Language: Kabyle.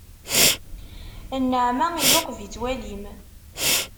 Nnaɛma iluqeb-itt walim.